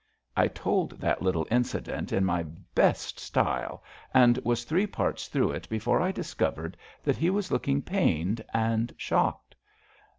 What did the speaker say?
*' I told that little incident in my best style, and was three parts through it before I discovered that he was looking pained and shocked.